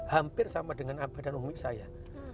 hampir sama dengan abah dan umi saya